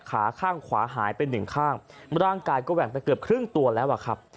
ขาข้างขวาหายไปหนึ่งข้างร่างกายก็แหว่งไปเกือบครึ่งตัวแล้วอะครับ